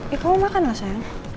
eh kamu makanlah